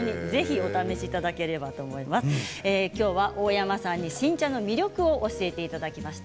今日は大山さんに新茶の魅力を教えていただきました。